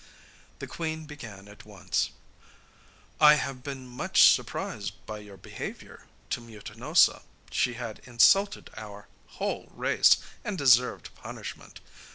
The queen began at once: 'I have been much surprised by your behaviour to Mutinosa; she had insulted our whole race, and deserved punishment.